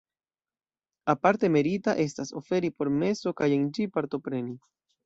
Aparte merita estas oferi por meso kaj en ĝi partopreni.